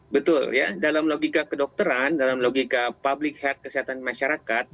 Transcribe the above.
betul ya dalam logika kedokteran dalam logika public health kesehatan masyarakat